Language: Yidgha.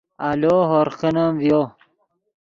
آلو ہورغ کینیم ڤیو